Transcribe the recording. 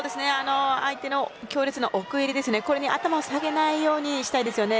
相手の強烈な奥襟に頭を下げないようにしたいです。